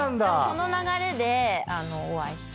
その流れでお会いして。